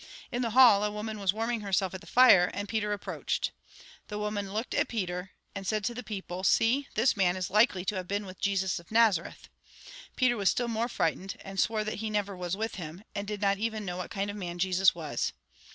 In the hall, a woman was warming herself at the fire, and Peter approached. The woman looked at Peter, and said to the people :" See, this man is likely to have been with Jesus of Kazareth." Peter was stdl more frightened, and swore that he never was with liim, and did not even know what kind of a man Jesus was.